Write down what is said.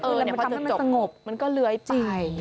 เออพอจะจบแล้วมันก็เลื้อยไป